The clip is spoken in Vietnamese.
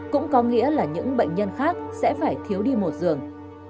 cũng có nghĩa là những bệnh nhân khác sẽ phải thiếu đi một giường